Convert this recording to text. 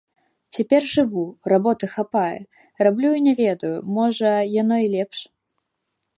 Цяпер жыву, работы хапае, раблю і не ведаю, можа, яно і лепш.